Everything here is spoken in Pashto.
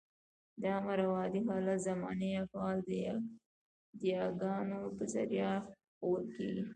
د امر او عادي حالت زماني افعال د يګانو په ذریعه ښوول کېږي.